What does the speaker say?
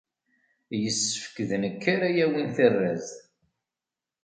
Yessefk d nekk ara yawin tarrazt.